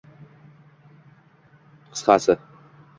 Qisqasi